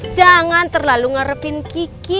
jangan terlalu ngarepin kiki